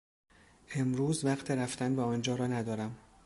امروز وقت رفتن به آنجا را ندارم.